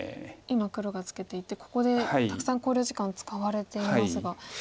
今黒がツケていってここでたくさん考慮時間使われていますが。